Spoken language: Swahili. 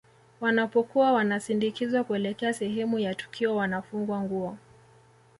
Wanapokuwa wanasindikizwa kuelekea sehemu ya tukio wanafungwa nguo